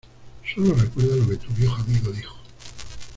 Sólo recuerda lo que tu viejo amigo dijo.